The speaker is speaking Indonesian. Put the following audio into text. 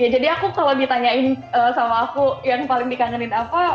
jadi aku kalau ditanyain sama aku yang paling dikangenin apa